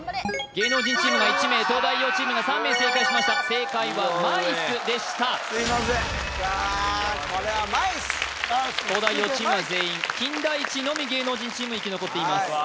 芸能人チームが１名東大王チームが３名正解しました正解はｍｉｃｅでした井上すいませんわこれはｍｉｃｅ東大王チームは全員金田一のみ芸能人チーム生き残っていますわ